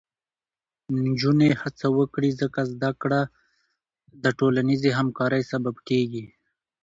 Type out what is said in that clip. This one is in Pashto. نجونې هڅه وکړي، ځکه زده کړه د ټولنیزې همکارۍ سبب کېږي.